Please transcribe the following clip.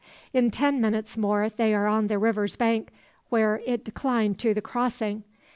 In ten minutes more they are on the river's bank, where it declined to the crossing.